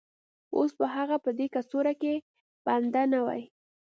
اوس به هغه په دې کڅوړه کې بنده نه وای